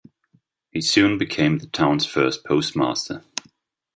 He soon became the town's first postmaster.